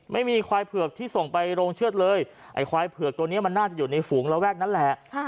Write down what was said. ไม่มีควายเผือกที่ส่งไปโรงเชือดเลยไอ้ควายเผือกตัวนี้มันน่าจะอยู่ในฝูงระแวกนั้นแหละ